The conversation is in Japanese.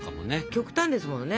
極端ですもんね。